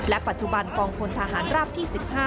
ปัจจุบันกองพลทหารราบที่๑๕